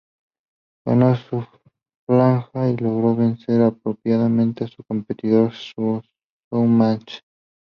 Ganó su franja y logró vencer ampliamente a su competidor Showmatch.